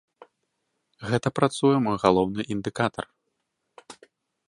Гэта працуе мой галоўны індыкатар.